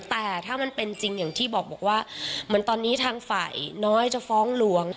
แต่ถ้ามันเป็นจริงอย่างที่บอกบอกว่าเหมือนตอนนี้ทางฝ่ายน้อยจะฟ้องหลวง